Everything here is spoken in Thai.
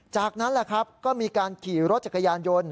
จากนั้นแหละครับก็มีการขี่รถจักรยานยนต์